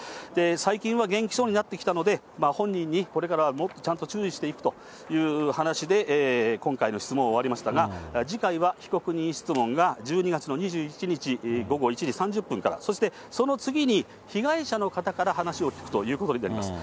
最近は元気そうになってきたので、本人にこれからはもっとちゃんと注意していくという話で、今回の質問を終わりましたが、次回は被告人質問が１２月の２１日午後１時３０分から、そして、その次に被害者の方から話を聴くということになります。